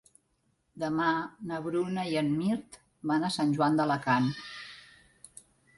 Demà na Bruna i en Mirt van a Sant Joan d'Alacant.